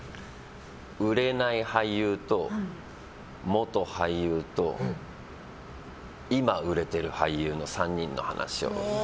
売れない俳優と元俳優と今、売れている俳優の３人の話を。